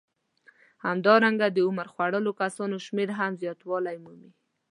همدارنګه د عمر خوړلو کسانو شمېر هم زیاتوالی مومي